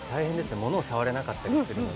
物を触れなかったりするので。